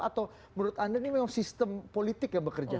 atau menurut anda ini memang sistem politik yang bekerja